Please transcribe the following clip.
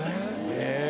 へえ